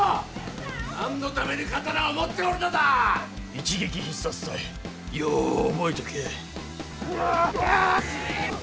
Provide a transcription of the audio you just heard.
一撃必殺隊よう覚えとけ。